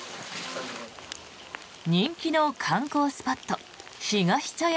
人気の観光スポットひがし茶屋